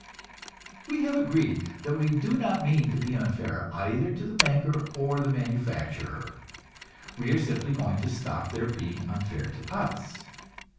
We have agreed that we do not mean to be unfair either to the banker or the manufacturer; we are simply going to stop their being unfair to us.